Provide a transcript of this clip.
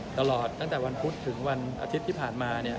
ตลอดตั้งแต่วันพุธถึงวันอาทิตย์ที่ผ่านมาเนี่ย